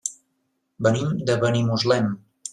Venim de Benimuslem.